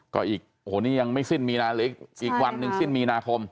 ก็อีกโอ้โหนี่ยังไม่สิ้นมีนาหรืออีกวันหนึ่งสิ้นมีนาคม